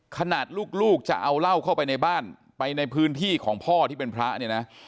ขนาดลูกจะเอาเหล้าเข้าไปในบ้านไปในพื้นที่ของพ่อที่เป็นพระเนี่ยนะ